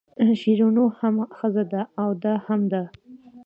شیرینو هم ښځه ده او دا هم ده.